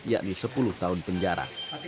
yakni sepuluh tahun penjara